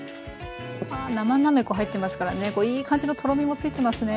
わあ生なめこ入ってますからねいい感じのとろみもついてますね。